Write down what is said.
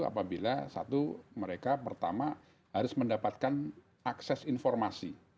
apabila satu mereka pertama harus mendapatkan akses informasi